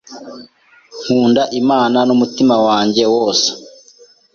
Nkunda Imana n’ umutima wanjye wose,